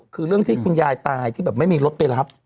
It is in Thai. คือเรื่องที่คุณยายตายที่แบบไม่มีรถไปรับ